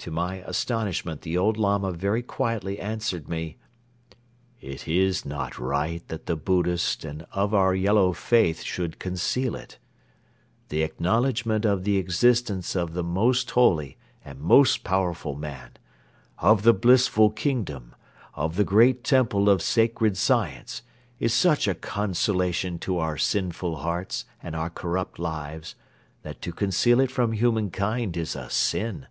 To my astonishment the old Lama very quietly answered me: "It is not right that the Buddhist and our Yellow Faith should conceal it. The acknowledgment of the existence of the most holy and most powerful man, of the blissful kingdom, of the great temple of sacred science is such a consolation to our sinful hearts and our corrupt lives that to conceal it from humankind is a sin.